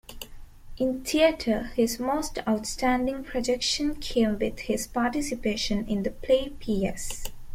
In theater his most outstanding projection came with his participation in the play ps.